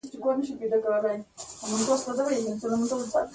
تالابونه د افغانستان د اقلیمي نظام یو ښکارندوی دی.